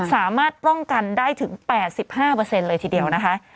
สามารถป้องกันได้ถึง๘๕เลยทีเดียวนะคะ